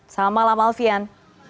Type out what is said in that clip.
selamat malam alfian